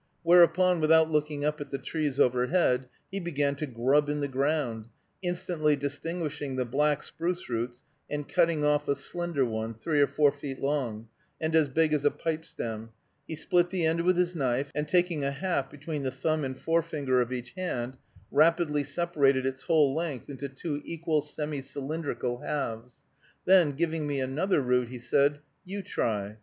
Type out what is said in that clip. Whereupon, without looking up at the trees overhead, he began to grub in the ground, instantly distinguishing the black spruce roots, and cutting off a slender one, three or four feet long, and as big as a pipe stem, he split the end with his knife, and, taking a half between the thumb and forefinger of each hand, rapidly separated its whole length into two equal semicylindrical halves; then giving me another root, he said, "You try."